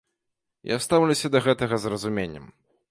Я стаўлюся да гэтага з разуменнем.